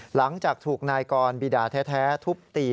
หลังจากถูกนายกรบิดาแท้ทุบตี